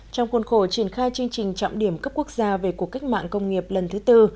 trong khuôn khổ triển khai chương trình trọng điểm cấp quốc gia về cuộc cách mạng công nghiệp lần thứ tư